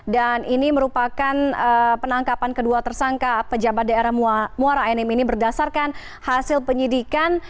dan ini merupakan penangkapan kedua tersangka pejabat daerah muara aenim ini berdasarkan hasil penyidikan